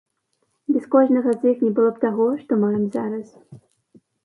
Без кожнага з іх не было б таго, што маем зараз.